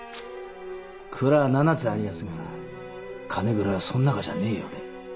蔵は７つありやすが金蔵はそん中じゃねえようで。